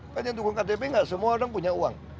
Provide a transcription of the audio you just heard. kan yang dukung ktp nggak semua orang punya uang